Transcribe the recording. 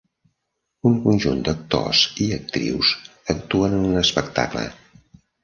Un conjunt d'actors i actrius actuen en un espectacle.